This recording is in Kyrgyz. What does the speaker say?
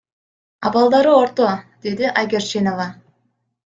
Абалдары орто, — деди Айгерчинова.